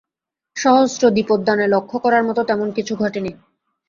সহস্রদ্বীপোদ্যানে লক্ষ্য করার মত তেমন কিছু ঘটেনি।